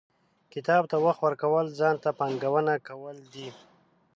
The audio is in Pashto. • کتاب ته وخت ورکول، ځان ته پانګونه کول دي.